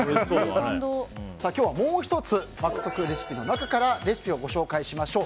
今日はもう１つ「爆速レシピ」の中からレシピをご紹介しましょう。